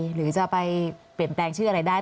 หรือจะไปเปลี่ยนแปลงชื่ออะไรได้